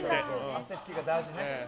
汗拭きが大事ね。